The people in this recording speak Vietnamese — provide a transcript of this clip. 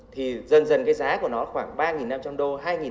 thì dần dần cái giá của nó khoảng ba năm trăm linh đô hai năm trăm linh đô